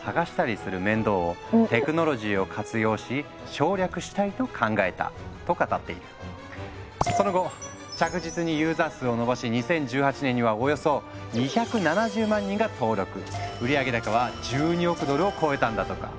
創業者のカトリーナ・レイクはその後着実にユーザー数を伸ばし２０１８年にはおよそ２７０万人が登録売上高は１２億ドルを超えたんだとか。